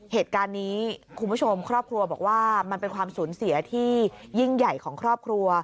เหตุการณ์นี้คุณผู้ชมครอบครัวบอกว่ามันเป็นความสูญเสียที่ยิ่งใหญ่ของครอบครัว